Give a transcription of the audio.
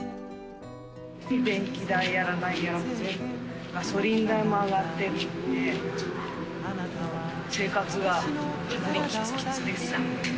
電気代やらなんやら、ガソリン代も上がっていて、生活がきつきつですね。